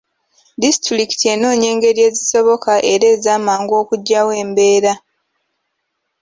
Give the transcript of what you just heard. Disitulikiti enoonya engeri ezisoboka era ez'amangu okugyawo embeera.